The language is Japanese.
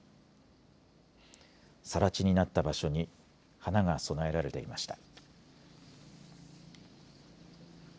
さら地になった場所に花が供えられていました。